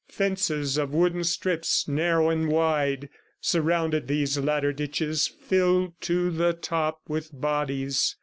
Fences of wooden strips, narrow and wide, surrounded these latter ditches filled to the top with bodies.